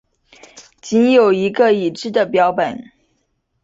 仅有一个已知的标本。